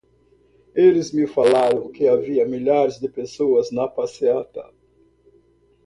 Eles me falaram que haviam milhares de pessoas na passeata.